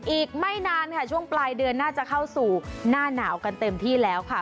อีกไม่นานค่ะช่วงปลายเดือนน่าจะเข้าสู่หน้าหนาวกันเต็มที่แล้วค่ะ